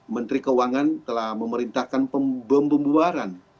menteri keuangan telah memerintahkan pembubaran